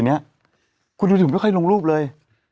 คุณดูเดี๋ยวถึงไม่ค่อยลงรูปเลย